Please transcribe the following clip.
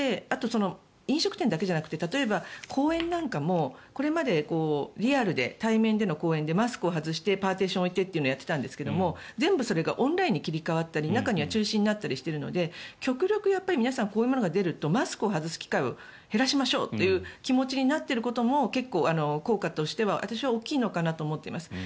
あと、飲食店だけじゃなくて例えば、講演なんかもこれまでリアルで対面での講演でマスクを外してパーティションを置いてとやっていましたが全部それがオンラインに切り替わったり中には中止になったりしているので極力皆さんこういうものが出るとマスクを外す機会を減らしましょうという気持ちになっていることも結構、効果としては私は大きいのかなと思っています。